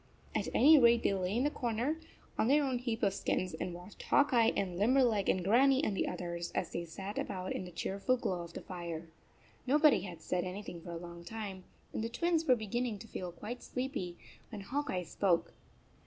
At any rate they lay in their corner, on their own heap of skins and watched Hawk Eye and Limberleg and Grannie and the others as they sat about in the cheerful glow of the fire. Nobody had said anything for a long time, and the Twins 39 were beginning to feel quite sleepy, when Hawk Eye spoke.